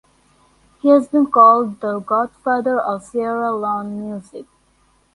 He has been called the "Godfather of Sierra Leone music".